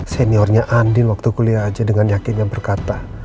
seniornya andin waktu kuliah aja dengan yakin yang berkata